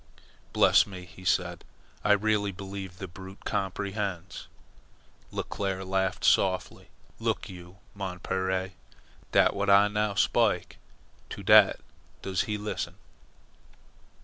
"Bless me!" he said. "I really believe the brute comprehends." Leclere laughed softly. "Look you, mon pere. Dat w'at Ah now spik, to dat does he lissen."